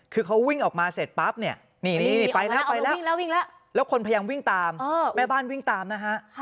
คือเขาวิ่งออกมาเสร็จปั๊บเนี่ยนี่ไปแล้วแล้วคนพยายามวิ่งตามแม่บ้านวิ่งตามนะฮะ